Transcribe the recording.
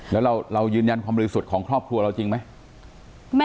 แล้วเรายืนยันความบริสุทธิ์ของครอบครัวเราจริงไหม